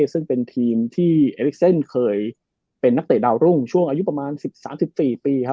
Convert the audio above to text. ซึ่งเป็นทีมที่เอลิกเซนเคยเป็นนักเตะดาวรุ่งช่วงอายุประมาณ๑๓๑๔ปีครับ